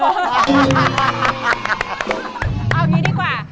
เอาอย่างนี้ดีกว่า